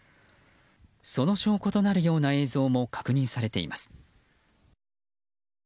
その証拠となるような映像も確認されています。